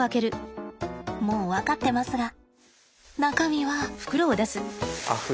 もう分かってますが中身は。